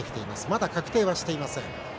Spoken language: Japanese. まだ確定はしていません。